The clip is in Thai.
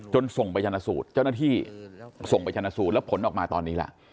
ส่งไปชนะสูตรเจ้าหน้าที่ส่งไปชนะสูตรแล้วผลออกมาตอนนี้ล่ะ